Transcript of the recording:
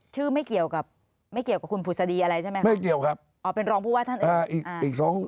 ชื่อไม่เกี่ยวกับไม่เกี่ยวกับคุณผุศดีอะไรใช่ไหมครับอ่าเป็นรองผู้ว่าท่านอื่น